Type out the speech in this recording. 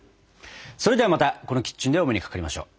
それではまたこのキッチンでお目にかかりましよう。